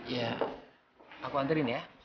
ya aku anterin ya